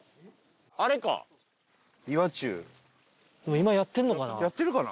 今やってるのかな？